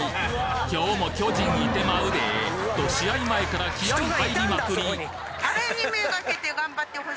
「今日も巨人いてまうで」と試合前から気合入りまくり！